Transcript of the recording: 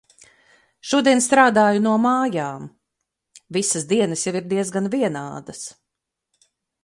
Šodien strādāju no mājām. Visas dienas jau ir diezgan vienādas.